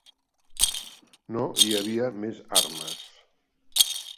No hi havia més armes